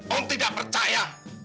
om tidak percaya